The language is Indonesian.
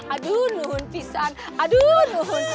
aduh nuhun pisan aduh nuhun